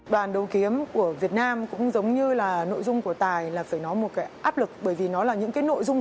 đoàn đấu kiếm của việt nam cũng giống như là nội dung của tài là phải nói một cái áp lực bởi vì nó là những cái nội dung